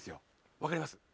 わかります？